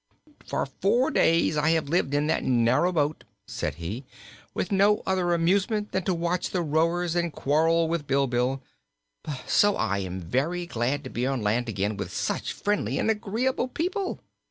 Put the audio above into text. "For four days I have lived in that narrow boat," said he, "with no other amusement than to watch the rowers and quarrel with Bilbil; so I am very glad to be on land again with such friendly and agreeable people."